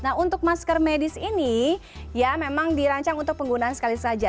nah untuk masker medis ini ya memang dirancang untuk penggunaan sekali saja